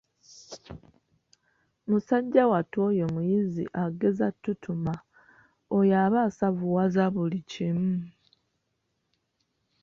Musajja wattu oyo muyizzi agezza ttutuma, oyo aba asavuwaza buli kimu.